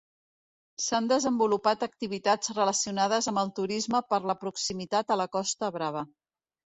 S'han desenvolupat activitats relacionades amb el turisme per la proximitat a la Costa Brava.